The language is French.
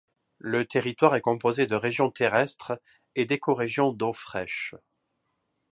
Le territoire est composé de régions terrestres et d’écorégions d’eaux fraîches.